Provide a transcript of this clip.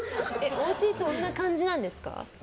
おうちってどんな感じなんですか？